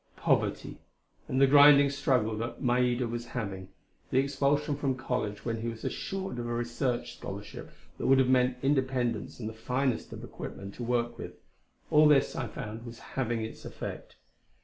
Poverty; and the grinding struggle that Maida was having; the expulsion from college when he was assured of a research scholarship that would have meant independence and the finest of equipment to work with all this, I found, was having its effect.